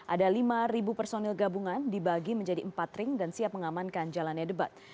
ada lima personil gabungan dibagi menjadi empat ring dan siap mengamankan jalannya debat